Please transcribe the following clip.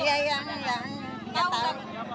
iya yang tau